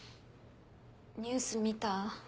ニュース見た？